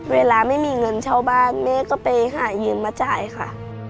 เวลาไม่มีเงินเช่าบ้านแม่ก็ไปหายืมมาจ่ายค่ะ